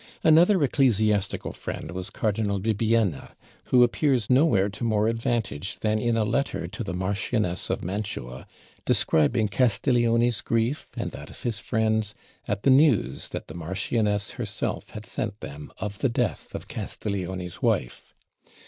Another ecclesiastical friend was Cardinal Bibbiena, who appears nowhere to more advantage than in a letter to the Marchioness of Mantua, describing Castiglione's grief, and that of his friends, at the news that the Marchioness herself had sent them of the death of Castiglione's wife.